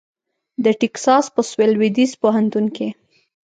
د ټیکساس په سوېل لوېدیځ پوهنتون کې